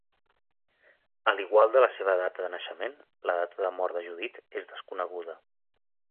A l'igual de la seva data de naixement, la data de mort de Judith és desconeguda.